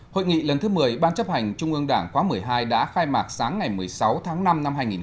hội nghị lần thứ một mươi ban chấp hành trung ương đảng khóa một mươi hai đã khai mạc sáng ngày một mươi sáu tháng năm năm hai nghìn hai mươi